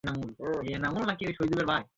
শালারা কী করেছি ওর সাথে!